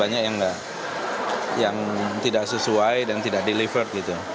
yang tidak sesuai dan tidak delivered